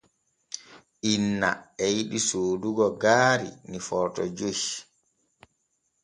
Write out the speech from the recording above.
Inna e yiɗi soodugo gaari ni Footo joy.